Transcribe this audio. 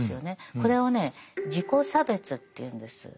これをね自己差別というんです。